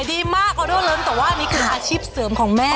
ดีมากเอาด้วยเริ่มแต่ว่านี่คืออาชีพเสริมของแม่